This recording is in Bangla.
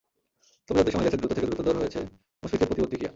তবে যতই সময় গেছে, দ্রুত থেকে দ্রুততর হয়েছে মুশফিকের প্রতিবর্তী ক্রিয়া।